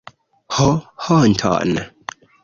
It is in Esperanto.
Ho honton!